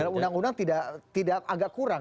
dan undang undang tidak agak kurang